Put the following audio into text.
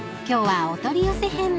今日はお取り寄せ編］